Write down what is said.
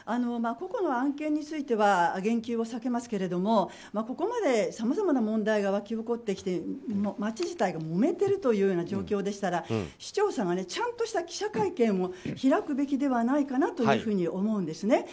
個々の案件については言及を避けますけれどもここまでさまざまな問題が沸き起こってきて町自体がもめているという状況でしたら市長さんがちゃんとした記者会見を開くべきではないかなと思うんですね。